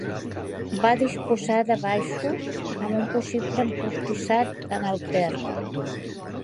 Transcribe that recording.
Va disposar de baixos, amb un possible empostissat en el terra.